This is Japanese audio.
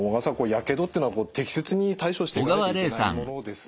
やけどっていうのは適切に対処していかないといけないものですね。